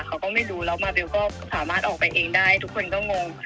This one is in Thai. เขาก็ไม่รู้แล้วมาเบลก็สามารถออกไปเองได้ทุกคนก็งง